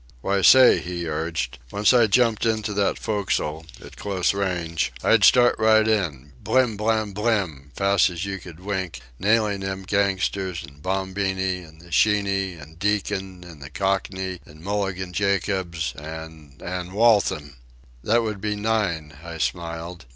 "Why, say," he urged, "once I jumped into that fo'c's'le, at close range, I'd start right in, blim blam blim, fast as you could wink, nailing them gangsters, an' Bombini, an' the Sheeny, an' Deacon, an' the Cockney, an' Mulligan Jacobs, an' ... an' ... Waltham." "That would be nine," I smiled.